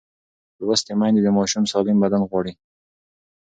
لوستې میندې د ماشوم سالم بدن غواړي.